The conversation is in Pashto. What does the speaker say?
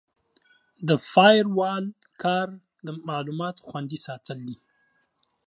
د فایروال کار معلومات خوندي ساتل دي.